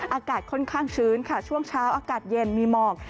อากาศค่อนข้างชื้นค่ะช่วงเช้าอากาศเย็นมีหมอก